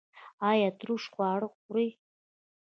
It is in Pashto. ایا ترش خواړه خورئ؟